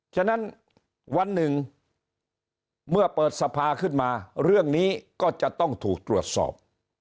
ฉะนั้นวันหนึ่งเมื่อเปิดสภาขึ้นมาเรื่องนี้ก็จะต้องถูกตรวจสอบ